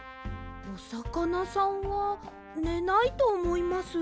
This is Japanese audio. おさかなさんはねないとおもいます。